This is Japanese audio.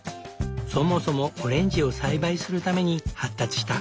そもそもオレンジを栽培するために発達した。